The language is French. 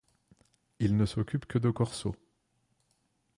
Il ne s'occupe que de corso.